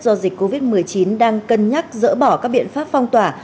do dịch covid một mươi chín đang cân nhắc dỡ bỏ các biện pháp phong tỏa